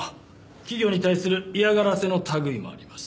企業に対する嫌がらせの類いもあります。